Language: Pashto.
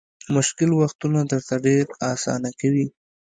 مشکل وختونه درته ډېر اسانه کوي.